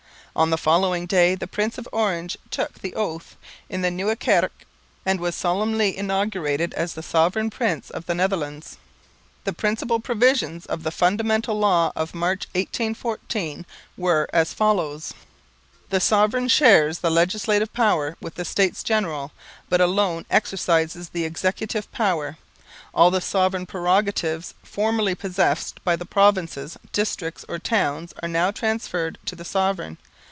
On the following day the Prince of Orange took the oath in the Nieuwe Kerk and was solemnly inaugurated as Sovereign Prince of the Netherlands. The principal provisions of the Fundamental Law of March, 1814, were as follows: The Sovereign shares the Legislative Power with the States General, but alone exercises the Executive Power. All the sovereign prerogatives formerly possessed by provinces, districts or towns are now transferred to the Sovereign.